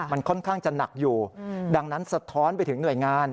มันค่อนข้างจะหนักอยู่ดังนั้นสะท้อนไปถึงหน่วยงาน